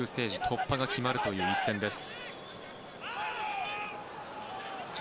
突破が決まる一戦です。